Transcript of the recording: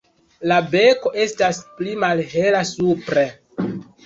La beko estas pli malhela supre.